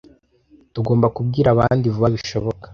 Tugomba kubwira abandi vuba bishoboka.